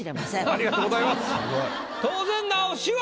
ありがとうございます。